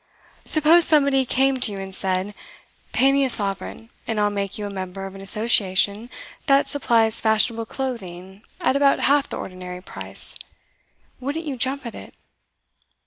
'Suppose somebody came to you and said: Pay me a sovereign, and I'll make you a member of an association that supplies fashionable clothing at about half the ordinary price, wouldn't you jump at it?